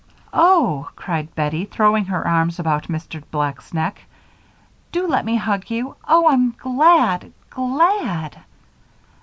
"Oh!" cried Bettie, throwing her arms about Mr. Black's neck. "Do let me hug you. Oh, I'm glad glad!"